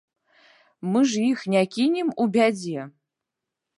Мы ж іх не кінем у бядзе?